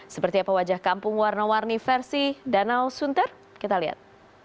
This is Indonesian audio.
seperti apa wajah kampung warna warni versi danau sunter kita lihat